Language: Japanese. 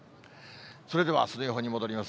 それではあすの予報に戻ります。